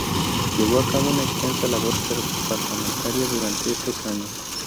Llevó a cabo una extensa labor parlamentaria durante estos años.